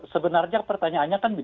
sebenarnya pertanyaannya kan begini